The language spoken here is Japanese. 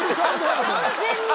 完全に！